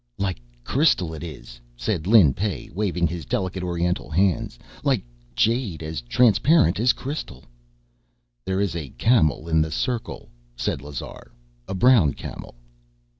"Like crystal it is," said Lin Pey, waving his delicate oriental hands, "like jade as transparent as crystal." "There is a camel in the circle," said Lazar, "a brown camel."